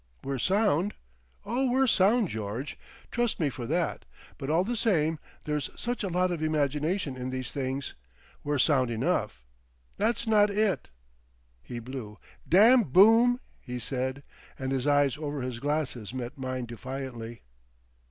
"We're sound?" "Oh, we're sound, George. Trust me for that! But all the same—There's such a lot of imagination in these things.... We're sound enough. That's not it." He blew. "Damn Boom!" he said, and his eyes over his glasses met mine defiantly.